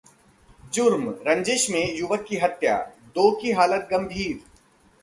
जुर्मः रंजिश में युवक की हत्या, दो की हालत गंभीर